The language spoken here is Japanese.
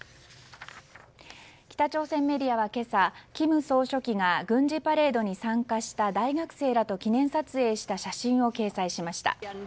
北朝鮮メディアは今朝金総書記が軍事パレードに参加した大学生らと記念撮影した写真を掲載しました。